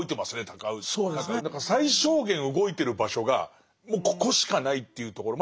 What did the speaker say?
だから最小限動いてる場所がもうここしかないっていうところ。